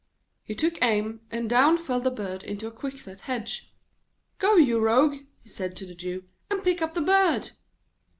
He took aim, and down fell the bird into a quickset hedge. 'Go, you rogue,' he said to the Jew, 'and pick up the bird.'